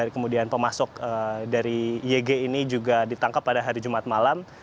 kemudian pemasok dari yg ini juga ditangkap pada hari jumat malam